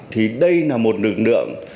thì đây là một lực lượng